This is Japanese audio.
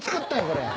これ。